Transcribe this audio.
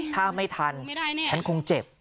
ถ้าไม่ทันฉันคงเจ็บ